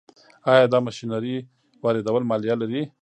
آیا د ماشینرۍ واردول مالیه لري؟